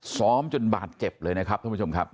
ซ้อมจนบาดเจ็บเลยนะครับท่านผู้ชมครับ